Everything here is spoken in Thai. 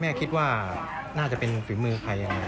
แม่คิดว่าน่าจะเป็นศึกมือใคร